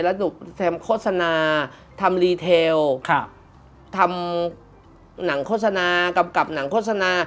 แล้วทำโฆษณาทำรีเทลทำหนังโฆษณากับหนังโฆษณา